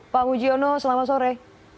pak mujiono selamat sore